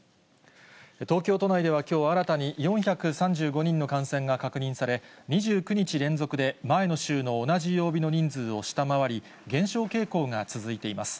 東京都内ではきょう、新たに４３５人の感染が確認され、２９日連続で前の週の同じ曜日の人数を下回り、減少傾向が続いています。